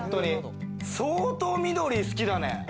相当、緑好きだね。